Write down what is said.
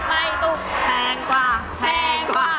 แพงกว่า